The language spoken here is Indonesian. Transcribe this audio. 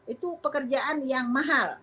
itu pekerjaan yang mahal